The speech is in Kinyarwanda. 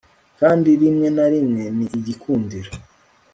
Kandi rimwe na rimwe ni igikundiro